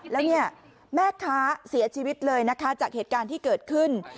แล้วเนี่ยแม่ค้าเสียชีวิตเลยนะคะจากเหตุการณ์ที่เกิดขึ้น